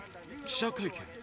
記者会見？